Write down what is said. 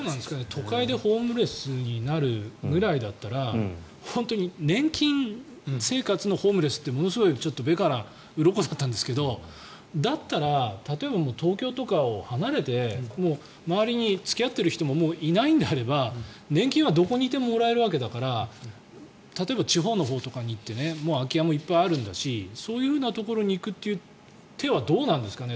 都会でホームレスになるぐらいだったら年金生活のホームレスって目からうろこだったんですけどだったら例えば東京とかを離れてもう周りに付き合っている人もいないのであれば年金は、どこにいてももらえるわけだから例えば地方のほうとかに行って空き家もいっぱいあるんだしそういうふうなところに行くという手はどうなんですかね。